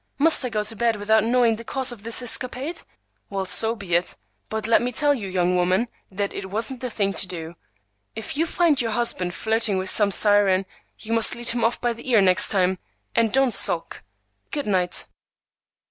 Must I go to bed without knowing the cause of this escapade? Well, so be it. But let me tell you, young woman, that it wasn't the thing to do. If you find your husband flirting with some siren, you must lead him off by the ear next time, but don't sulk. Good night."